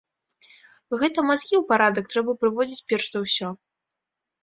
Гэта мазгі ў парадак трэба прыводзіць перш за ўсё.